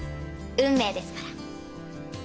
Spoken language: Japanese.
運命ですから。